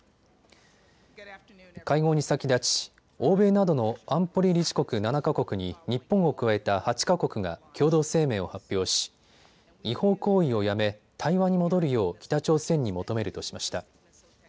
会合に先立ち、欧米などの安保理理事国７か国に日本を加えた８か国が共同声明を発表し、違法行為をやめ、対話に戻るよう北朝鮮に求めるとしました。